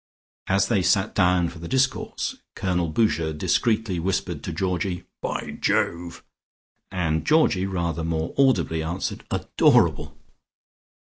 As they sat down for the discourse, Colonel Boucher discreetly whispered to Georgie "By Jove." And Georgie rather more audibly answered "Adorable."